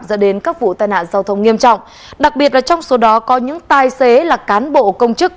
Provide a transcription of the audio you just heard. dẫn đến các vụ tai nạn giao thông nghiêm trọng đặc biệt là trong số đó có những tài xế là cán bộ công chức